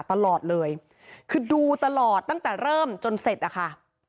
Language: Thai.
ตลอดเลยคือดูตลอดตั้งแต่เริ่มจนเสร็จอะค่ะ